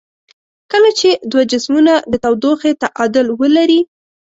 کله چې دوه جسمونه د تودوخې تعادل ولري.